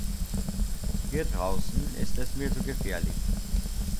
Hier draußen ist es mir zu gefährlich.